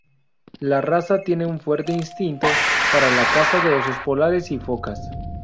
La raza tiene un fuerte instinto para la caza de osos polares y focas.